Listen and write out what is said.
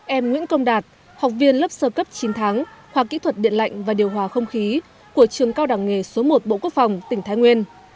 em nguyễn công đạt học viên lớp sơ cấp chín tháng khoa kỹ thuật điện lạnh và điều hòa không khí của trường cao đẳng nghề số một bộ quốc phòng tỉnh thái nguyên